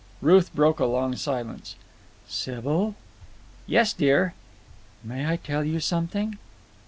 Ruth broke a long silence. "Sybil!" "Yes, dear?" "May I tell you something?"